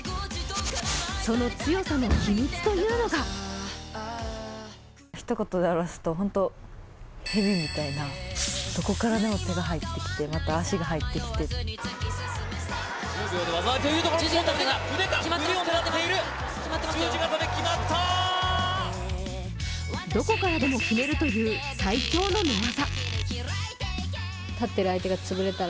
その強さの秘密というのがどこからでも決めるという最強の寝技。